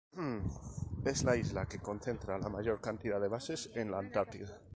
Es la isla que concentra la mayor cantidad de bases en la Antártida.